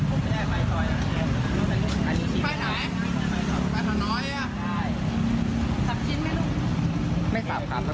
ไปไหนไปส่วนน้อยอ่ะใช่สับชิ้นไหมลูกไม่สอบพร้อมก็พอได้เออ